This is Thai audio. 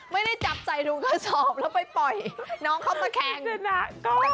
ไม่ได้จับใจทุกกระสอบแล้วไปปล่อยน้องเข้ามาแข่ง